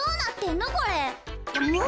もう！